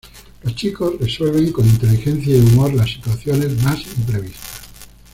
Los chicos resuelven con inteligencia y humor las situaciones más imprevistas.